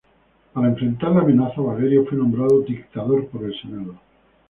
Para enfrentar la amenaza, Valerio fue nombrado dictador por el senado.